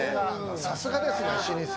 さすがですね、老舗。